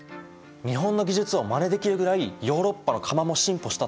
日本の技術をまねできるぐらいヨーロッパの窯も進歩したってことですか？